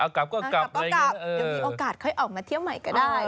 เอากลับก็กลับยังมีโอกาสค่อยออกมาเที่ยวใหม่ก็ได้